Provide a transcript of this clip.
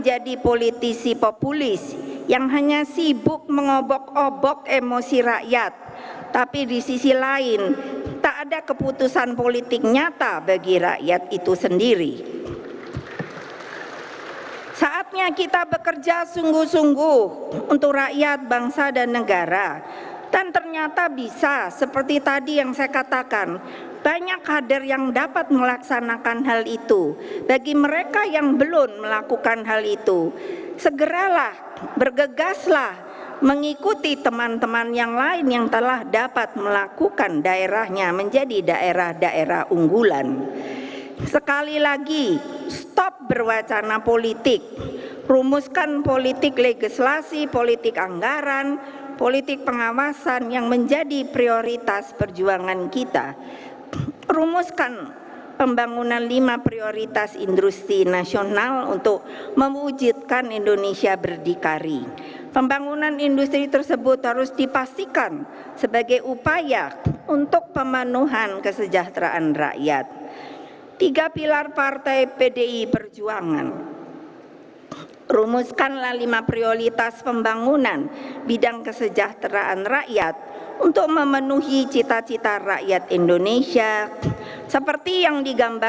atau tidak siap atau tidak berani atau tidak jalankan perjuangan ini kader kader partai yang